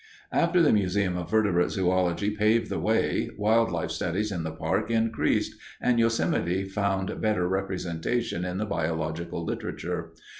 After the Museum of Vertebrate Zoölogy paved the way, wildlife studies in the park increased, and Yosemite found better representation in the biological literature.